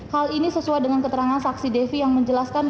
hal ini sesuai dengan keterangan saksi devi yang menjelaskan